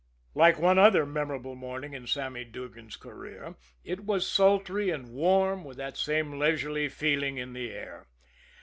Like one other memorable morning in Sammy Durgan's career, it was sultry and warm with that same leisurely feeling in the air.